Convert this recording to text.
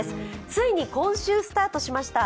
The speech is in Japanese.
ついに今週スタートしました。